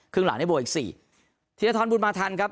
ครึ่งหลังได้โบสถ์อีกสี่ทีละท้อนบุญมาทันครับ